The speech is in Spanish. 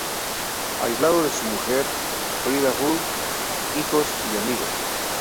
Aislado de su mujer, Frida Uhl, hijos y amigos.